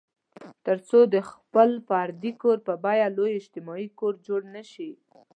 تر څو د خپل فردي کور په بیه لوی اجتماعي کور جوړ نه شي.